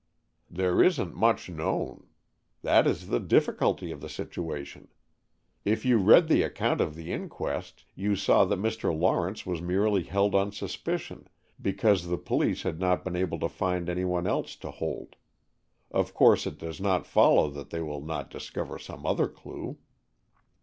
"There isn't much known. That is the difficulty of the situation. If you read the account of the inquest, you saw that Mr. Lawrence was merely held on suspicion, because the police had not been able to find any one else to hold. Of course it does not follow that they will not discover some other clue."